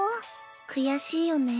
悔しいよね。